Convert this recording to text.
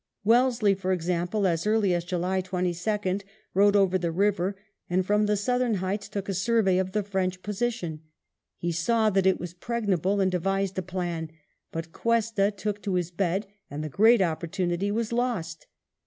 Wellesley, for example, as early as July 22nd, rode over the river, and from the southern heights took a survey of the French position. He saw that it was pregnable and devised a plan, but Cuesta took to his bed, and the great opportunity was lost.